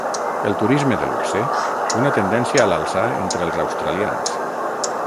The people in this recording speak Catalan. El turisme de luxe, una tendència a l'alça entre els australians.